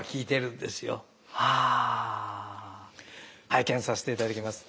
拝見させていただきます。